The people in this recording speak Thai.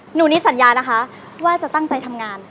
หนูนี่สัญญานะคะว่าจะตั้งใจทำงาน